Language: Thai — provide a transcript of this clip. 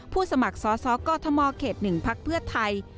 ผู้สมัครซ้อก็ทะมอเขตหนึ่งพักเพื่อไทย